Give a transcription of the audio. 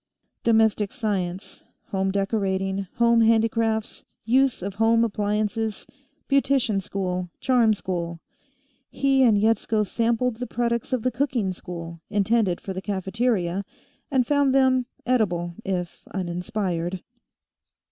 Domestic Science Home Decorating, Home Handicrafts, Use of Home Appliances, Beautician School, Charm School. He and Yetsko sampled the products of the Cooking School, intended for the cafeteria, and found them edible if uninspired.